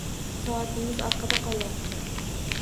Soatingiz orqada qolyapti.